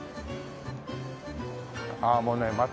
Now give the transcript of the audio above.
ああもうね全く。